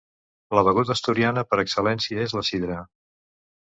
La beguda asturiana per excel·lència és la sidra.